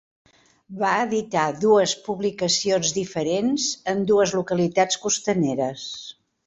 Va editar dues publicacions diferents en dues localitats costaneres.